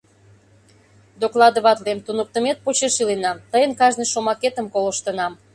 Докладыватлем: туныктымет почеш иленам, тыйын кажне шомакетым колыштынам.